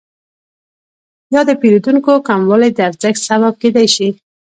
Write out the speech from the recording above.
یا د پیرودونکو کموالی د ارزانښت سبب کیدای شي؟